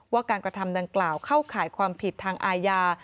ว่าการกระทำดังกล่าวเข้าข่ายความผิดทางอาญา